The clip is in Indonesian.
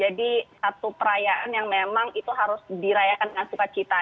jadi satu perayaan yang memang itu harus dirayakan dengan sukacita